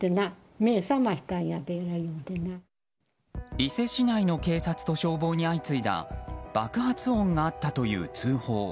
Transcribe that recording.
伊勢市内の警察と消防に相次いだ爆発音があったという通報。